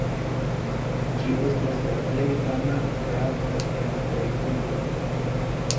Ĝi estas la plej fama drako en Britio.